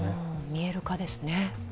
見える化ですね。